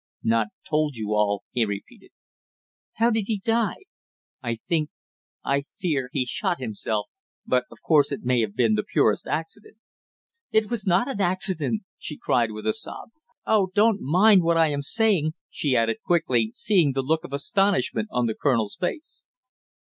"Not told you all " he repeated. "How did he die?" "I think I fear he shot himself, but of course it may have been the purest accident " "It was not an accident " she cried with a sob. "Oh, don't mind what I am saying!" she added quickly, seeing the look of astonishment on the colonel's face.